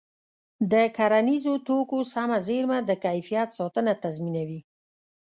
د کرنیزو توکو سمه زېرمه د کیفیت ساتنه تضمینوي.